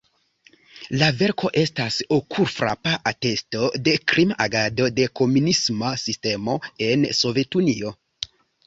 La verko estas okulfrapa atesto de krima agado de komunisma sistemo en Sovetunio.